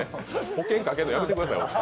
保険かけるのやめてください。